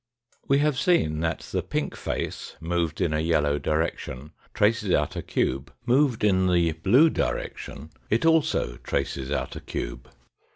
We have seen that the pink face moved in a yellow direction traces out a cube ; moved in the blue direction it also traces out a cube.